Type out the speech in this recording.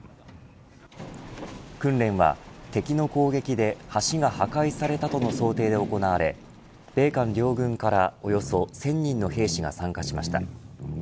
訓練は敵の攻撃で橋が破壊されたとの想定で行われ米韓両軍からおよそ１０００人の兵士が参加しました。